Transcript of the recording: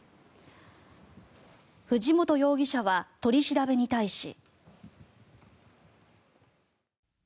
藤本容疑者は取り調べに対し。